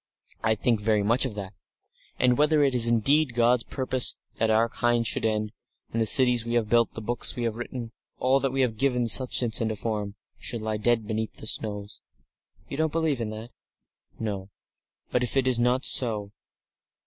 I think very much of that, and whether it is indeed God's purpose that our kind should end, and the cities we have built, the books we have written, all that we have given substance and a form, should lie dead beneath the snows." "You don't believe that?" "No. But if it is not so